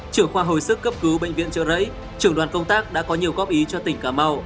trưởng khoa hồi sức cấp cứu bệnh viện trợ rẫy trưởng đoàn công tác đã có nhiều góp ý cho tỉnh cà mau